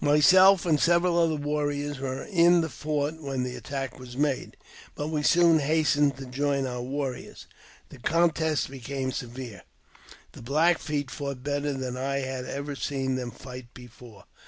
Myself and several other warriors were in the fort when the attack was made, but we soon hastened to join our warriors. The contest became severe. The Black Feet fought better than I had ever seen them fight before.